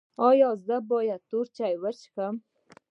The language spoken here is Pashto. ایا زه تور چای څښلی شم؟